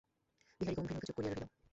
বিহারী গম্ভীরমুখে চুপ করিয়া রহিল।